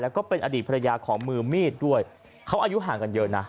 แล้วก็เป็นอดีตภรรยาของมือมีดด้วยเขาอายุห่างกันเยอะนะ